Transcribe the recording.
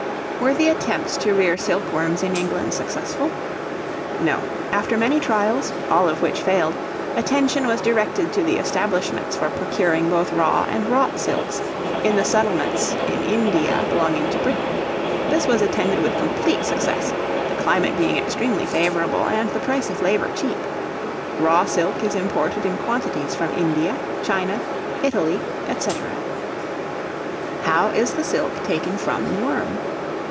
Were the attempts to rear Silk Worms in England successful? No; after many trials, all of which failed, attention was directed to the establishments for procuring both raw and wrought silks, in the settlements in India belonging to Britain; this was attended with complete success, the climate being extremely favorable, and the price of labor cheap. Raw silk is imported in quantities from India, China, Italy, &c. How is the Silk taken from the Worm?